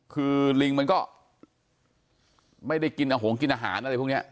คือลิงมันก็ไม่ได้กินอาหารกินอาหารอะไรพวกนี้